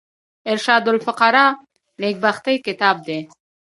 ارشاد الفقراء نېکبختي کتاب دﺉ.